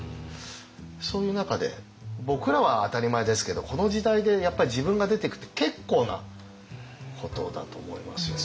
そういう中で僕らは当たり前ですけどこの時代でやっぱり自分が出てくって結構なことだと思いますよね。